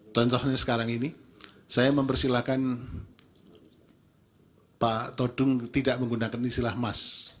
contohnya sekarang ini saya mempersilahkan pak todung tidak menggunakan istilah emas